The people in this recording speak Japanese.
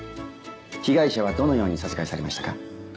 被害者はどのように殺害されましたか？